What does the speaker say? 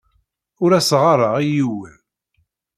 Ur as-ɣɣareɣ i yiwen.